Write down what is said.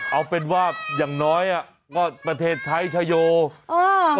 เอาเป็นว่าอย่างน้อยประเทศไทยชายโย